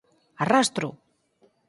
_¡Arrastro!